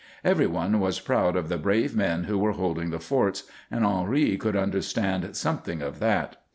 Every one was proud of the brave men who were holding the forts, and Henri could understand something of that.